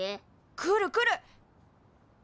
来る来る！